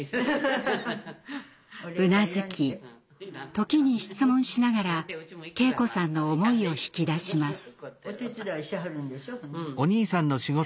うなずき時に質問しながら敬子さんの思いを引き出します。